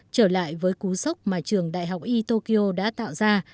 trở lại với cú sốc mà trường đại học y tokyo đã tạo ra